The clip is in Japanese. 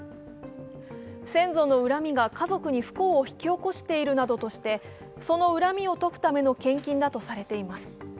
先祖の恨みが家族に不幸を引き起こしているなどとしてその恨みを解くための献金だとされています。